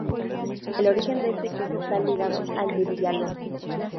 El origen de este queso está ligado al de Villalón.